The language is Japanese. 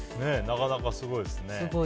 なかなかすごいですね。